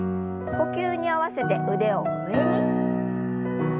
呼吸に合わせて腕を上に。